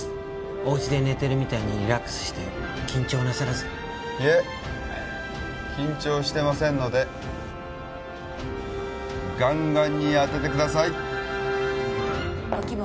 おうちで寝てるみたいにリラックスして緊張なさらずいえ緊張してませんのでガンガンに当ててください・ご気分